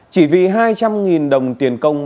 chỉ vì hai trăm linh đồng tiền công